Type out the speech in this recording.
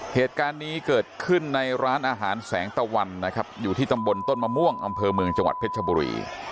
เหตุการณ์นี้เกิดขึ้นในร้านอาหารแสงตะวันนะครับอยู่ที่ตำบลต้นมะม่วงอำเภอเมืองจังหวัดเพชรชบุรี